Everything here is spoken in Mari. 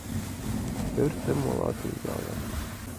Пӧртым, ола ден ялым...